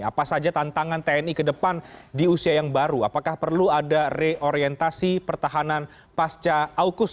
apa saja tantangan tni ke depan di usia yang baru apakah perlu ada reorientasi pertahanan pasca aukus